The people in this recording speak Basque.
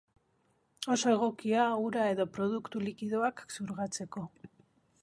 Oso egokia ura edo produktu likidoak xurgatzeko.